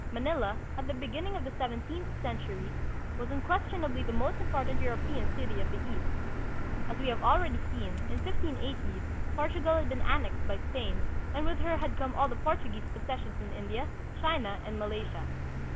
Manila, at the beginning of the seventeenth century, was unquestionably the most important Euro pean city of the East. As we have already seen, in 1580 Portugal had been annexed by Spain and with her had come all the Portuguese possessions hi India, China, and Malaysia.